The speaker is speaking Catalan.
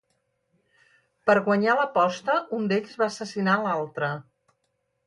Per guanyar l'aposta un d'ells va assassinar l'altre.